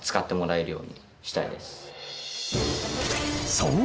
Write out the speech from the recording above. そう！